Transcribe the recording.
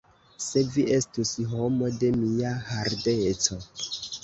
Se vi estus homo de mia hardeco!